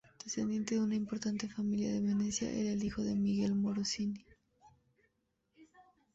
Descendiente de una importante familia veneciana, era el hijo de Miguel Morosini.